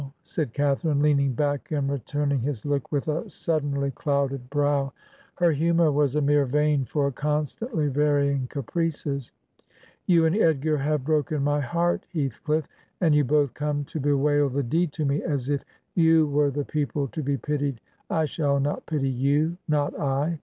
said Catha rine, leaning back and returning his look with a sud 233 Digitized by VjOOQIC HEROINES OF FICTION denly clouded brow : her humor was a mere vane for constantly varying caprices. 'You and Edgar have broken my hearty HeathclifiF. And you both come to bewail the deed to me, as if you were the people to be pitied 1 I shall not pity you, not I.